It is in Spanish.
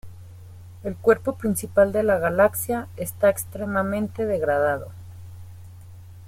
El cuerpo principal de la galaxia está extremamente degradado.